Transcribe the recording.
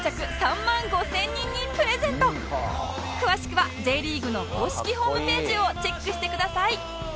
詳しくは Ｊ リーグの公式ホームページをチェックしてください